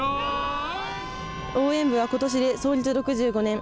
応援部は今年で創立６５年。